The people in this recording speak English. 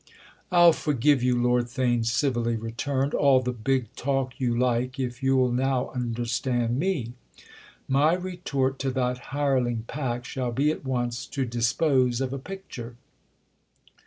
"I'll forgive you," Lord Theign civilly returned, "all the big talk you like if you'll now understand me. My retort to that hireling pack shall be at once to dispose of a picture."